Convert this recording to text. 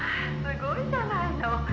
すごいじゃないの」